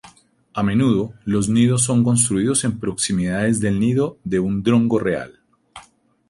A menudo los nidos son construidos en proximidades del nido de un drongo real.